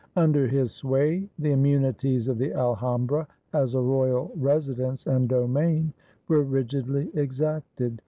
Under his sway the immunities of the Alhambra, as a royal residence and domain, were rigidly exacted.